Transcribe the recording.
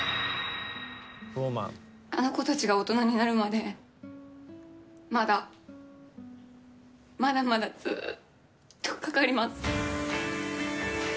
あの子たちが大人になるまでまだまだまだずっとかかります。